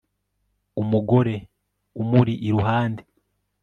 umugore umuri iruhande